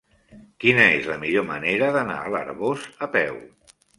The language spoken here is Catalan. Quina és la millor manera d'anar a l'Arboç a peu?